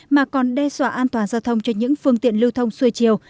mà còn đe dọa an toàn giao thông cho những phương tiện lưu thông xuôi chiều